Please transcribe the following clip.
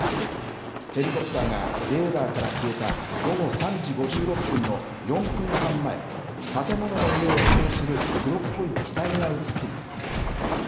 ヘリコプターがレーダーから消えた午後３時５６分の４分半前、建物の上を飛行する黒っぽい機体が写っています。